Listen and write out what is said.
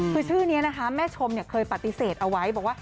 คือชื่อนี้นะคะแม่ชมเคยปฏิเสธเอาไว้บอกว่า